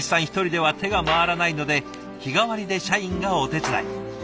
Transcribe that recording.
一人では手が回らないので日替わりで社員がお手伝い。